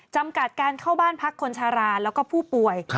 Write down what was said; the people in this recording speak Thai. จำกัดการเข้าบ้านพักคนชาราแล้วก็ผู้ป่วย